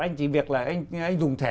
anh chỉ việc là anh dùng thẻ